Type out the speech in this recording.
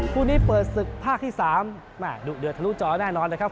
ผู้นี้เปิดศึกภาคที่๓ดูเดือดทะลุจอด์แน่นอนนะครับ